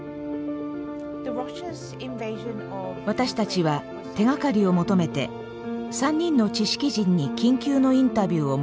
私たちは手がかりを求めて３人の知識人に緊急のインタビューを申し込みました。